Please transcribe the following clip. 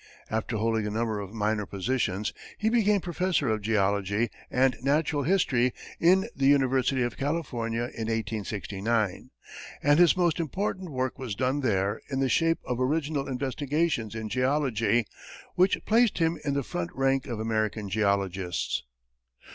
After holding a number of minor positions, he became professor of geology and natural history in the University of California in 1869, and his most important work was done there in the shape of original investigations in geology, which placed him in the front rank of American geologists.